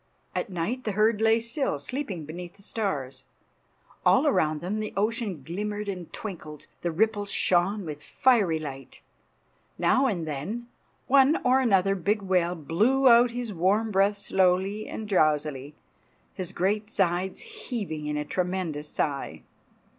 At night the herd lay still, sleeping beneath the stars. All around them the ocean glimmered and twinkled. The ripples shone with fiery light. Now and then one or another big whale blew out his warm breath slowly and drowsily, his great sides heaving in a tremendous sigh.